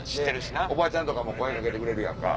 おばちゃんとかも声掛けてくれるやんか。